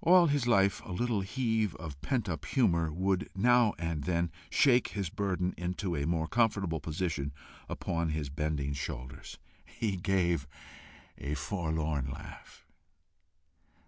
All his life, a little heave of pent up humour would now and then shake his burden into a more comfortable position upon his bending shoulders. He gave a forlorn laugh.